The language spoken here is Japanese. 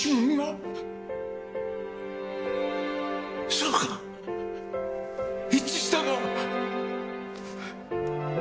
そうか一致したか！